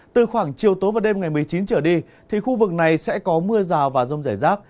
từ khoảng chiều tối và đêm ngày một mươi chín trở đi thì khu vực này sẽ có mưa rào và rông rải rác